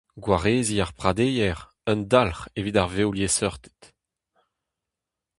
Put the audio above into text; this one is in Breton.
Gwareziñ ar pradeier : un dalc'h evit ar vevliesseurted.